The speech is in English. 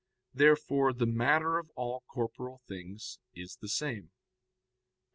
Therefore the matter of all corporeal things is the same. Obj.